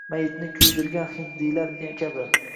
mayyitni kuydirgan hindilar kabi